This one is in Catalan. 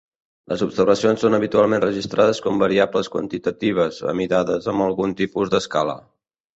Les observacions són habitualment registrades com variables quantitatives, amidades amb algun tipus d'escala.